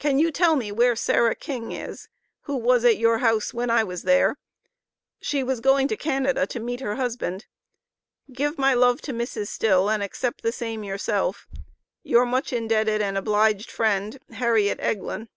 Can you tell me where Sarah King is, who was at your house when I was there? She was going to Canada to meet her husband. Give my love to Mrs. Still & accept the same yourself. Your much indebted & obliged friend, HARRIET EGLIN.